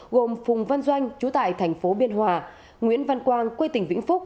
gồm phùng văn doanh chú tại thành phố biên hòa nguyễn văn quang quê tỉnh vĩnh phúc